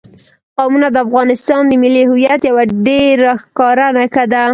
قومونه د افغانستان د ملي هویت یوه ډېره ښکاره نښه ده.